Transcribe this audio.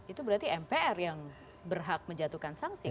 itu berarti mpr yang berhak menjatuhkan sanksi